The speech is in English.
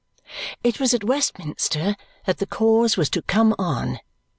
It was at Westminster that the cause was to come on.